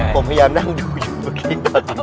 ผมพยายามนั่งดูอยู่เมื่อกี้